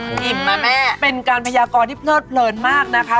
อิ่มนะแม่เป็นการพยากรที่เพลิดเพลินมากนะคะ